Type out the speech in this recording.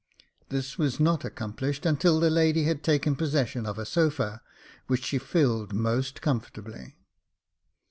This was not accomplished until the lady had taken possession of a sofa, which she filled most comfort ably.